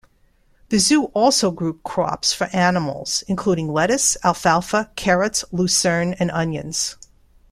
The zoo also grew crops for animals including lettuce, alfalfa, carrots, lucerne and onions.